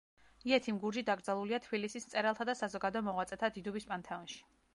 იეთიმ გურჯი დაკრძალულია თბილისის მწერალთა და საზოგადო მოღვაწეთა დიდუბის პანთეონში.